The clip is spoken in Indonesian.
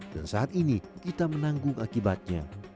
dan saat ini kita menanggung akibatnya